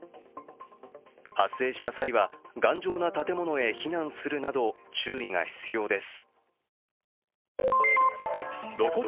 発生した際は頑丈な建物へ避難するなど注意が必要です。